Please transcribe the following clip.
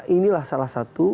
inilah salah satu